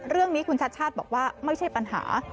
เรื่องนี้คุณชัดชาติบอกว่าไม่ใช่ปัญหา